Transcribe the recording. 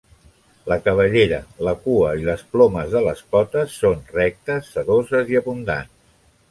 La cabellera, la cua i les plomes de les potes són, rectes, sedoses i abundants.